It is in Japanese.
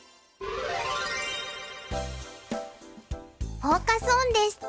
フォーカス・オンです。